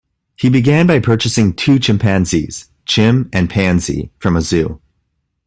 He began by purchasing two chimpanzees, Chim and Panzee, from a zoo.